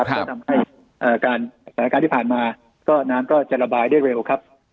ก็ทำให้สถานการณ์ที่ผ่านมาก็น้ำก็จะระบายได้เร็วครับ